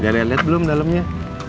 gak liat liat belum dalemnya